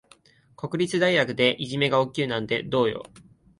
国立大学でいじめが起きるなんてどうよ。